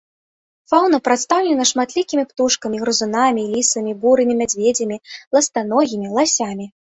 Фаўна прадстаўлена шматлікімі птушкамі, грызунамі, лісамі, бурымі мядзведзямі, ластаногімі, ласямі.